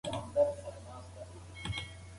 د پوستکي رنګ اغېز لري.